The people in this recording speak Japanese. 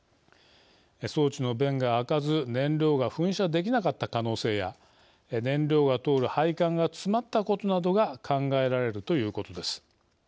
装置の弁が開かず燃料が噴射できなかった可能性や燃料が通る配管が詰まったことなどが考えられるということです。